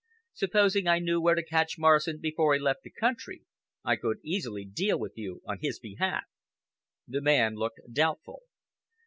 Supposing I knew where to catch Morrison before he left the country, I could easily deal with you on his behalf." The man looked doubtful.